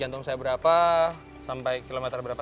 jantung saya berapa sampai kilometer berapa